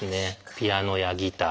ピアノやギター